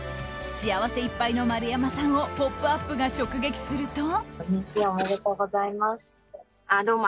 幸せいっぱいの丸山さんを「ポップＵＰ！」が直撃すると。